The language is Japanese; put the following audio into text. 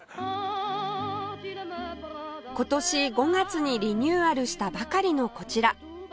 今年５月にリニューアルしたばかりのこちら